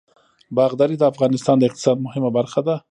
باغداري د افغانستان د اقتصاد مهمه برخه ده.